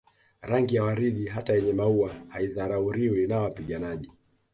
Rangi ya waridi hata yenye maua haidharauliwi na wapiganaji